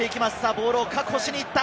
ボールを確保しに行った。